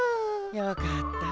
よかった。